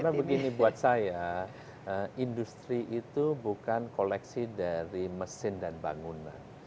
karena begini buat saya industri itu bukan koleksi dari mesin dan bangunan